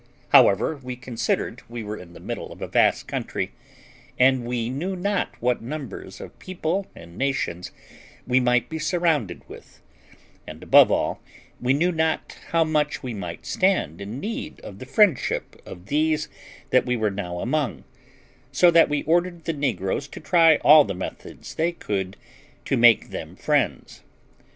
However, we considered we were in the middle of a vast country, and we knew not what numbers of people and nations we might be surrounded with, and, above all, we knew not how much we might stand in need of the friendship of these that we were now among, so that we ordered the negroes to try all the methods they could to make them friends.